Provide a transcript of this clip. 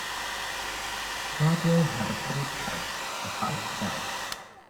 Broadwell had a public house, the Five Bells.